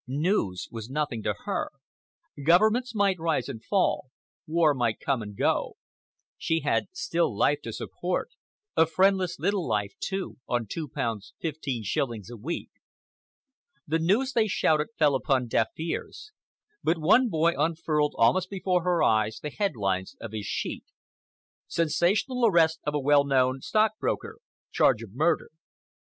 News was nothing to her. Governments might rise and fall, war might come and go,—she had still life to support, a friendless little life, too, on two pounds fifteen shillings a week. The news they shouted fell upon deaf ears, but one boy unfurled almost before her eyes the headlines of his sheet. SENSATIONAL ARREST OF A WELL KNOWN STOCKBROKER. CHARGE OF MURDER.